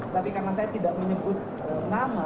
tapi karena saya tidak menyebut nama